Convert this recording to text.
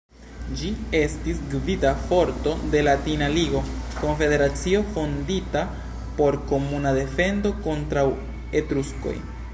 Ĝi estis gvida forto de Latina ligo, konfederacio fondita por komuna defendo kontraŭ Etruskoj.